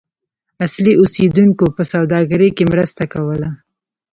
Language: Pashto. اصلي اوسیدونکو په سوداګرۍ کې مرسته کوله.